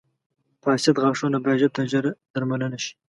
• فاسد غاښونه باید ژر تر ژره درملنه شي.